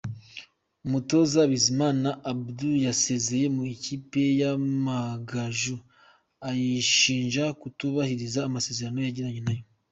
Umutoza Bizimana Abdou yasezeye mu ikipe y’Amagaju ayishinja kutubahiriza amasezerano yagiranye nayo.